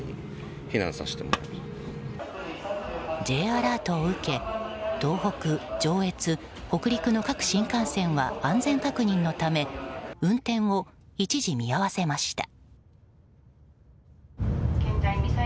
Ｊアラートを受け東北、上越、北陸の各新幹線は安全確認のため運転を一時見合わせました。